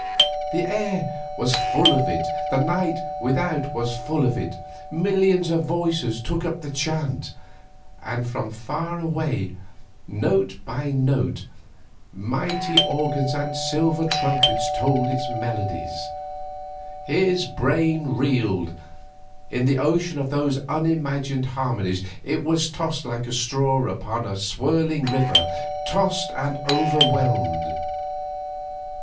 The air was full of it, the night without was full of it, millions of voices took up the chant, and from far away, note by note, mighty organs and silver trumpets told its melody. His brain reeled. In the ocean of those unimagined harmonies it was tossed like a straw upon a swirling river, tossed and overwhelmed.